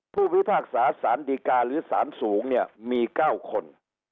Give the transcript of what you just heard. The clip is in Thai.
ผู้วิทากษาศาลดิกาฝ่ายหรือศาลสูงเนี่ยมี๙คน